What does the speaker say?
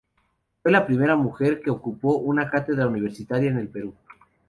Fue la primera mujer que ocupó una cátedra universitaria en el Perú.